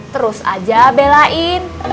terus aja belain